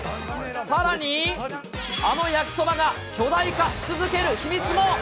さらに、あの焼きそばが巨大化し続ける秘密も。